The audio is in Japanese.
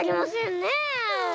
ねえ。